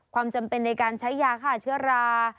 ความจำเป็นในการใช้ยาฆ่าเชื้อรา